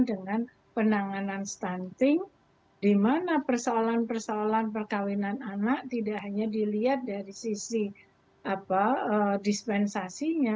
dengan penanganan stunting di mana persoalan persoalan perkawinan anak tidak hanya dilihat dari sisi dispensasinya